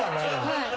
はい。